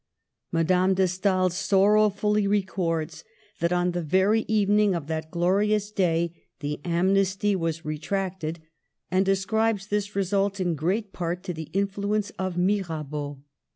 Madame de Stael sorrow fully records that on the very evening of that glo rious day the amnesty was retracted, and ascribes this result in great part to the influence of Mira beau.